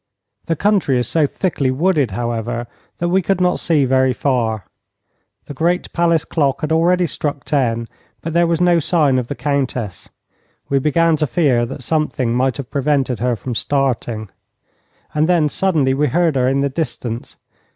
The country is so thickly wooded, however, that we could not see very far. The great palace clock had already struck ten, but there was no sign of the Countess. We began to fear that something might have prevented her from starting. And then suddenly we heard her in the distance.